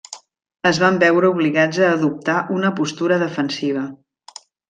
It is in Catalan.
Es van veure obligats a adoptar una postura defensiva.